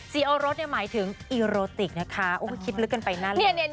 สีโอรสหมายถึงอีโรติกนะคะคลิปลึกกันไปนั่นเลย